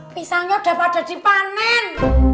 pisangnya udah pada dipanen